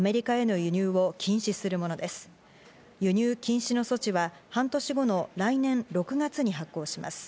輸入禁止の措置は半年後の来年６月に発効します。